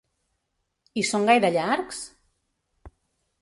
I són gaire llargs?